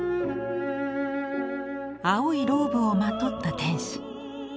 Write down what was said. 青いローブをまとった天使。